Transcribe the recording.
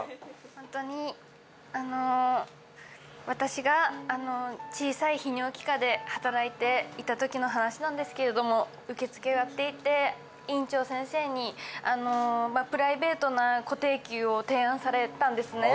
本当にあの私が小さい泌尿器科で働いていた時の話なんですけれども受付をやっていて院長先生にプライベートな固定給を提案されたんですね。